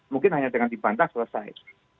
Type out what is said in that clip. mungkin hanya dengan dibantah selesai